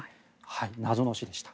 謎の死でした。